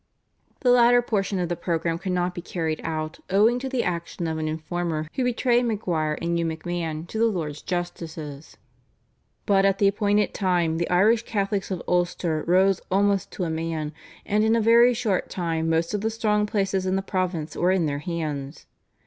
The latter portion of the programme could not be carried out owing to the action of an informer who betrayed Maguire and Hugh MacMahon to the Lords Justices; but at the appointed time the Irish Catholics of Ulster rose almost to a man, and in a very short time most of the strong places in the province were in their hands.